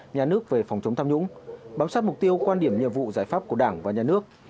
nhà nước về phòng chống tham nhũng bám sát mục tiêu quan điểm nhiệm vụ giải pháp của đảng và nhà nước